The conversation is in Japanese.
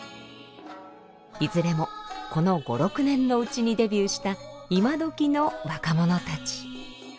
いずれもこの５６年のうちにデビューした今どきの若者たち。